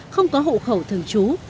không có hộ khẩu thường trú